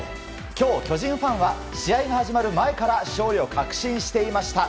今日、巨人ファンは試合が始まる前から勝利を確信していました。